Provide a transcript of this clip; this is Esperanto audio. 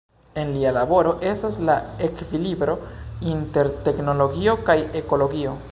En lia laboro estas la ekvilibro inter teknologio kaj ekologio.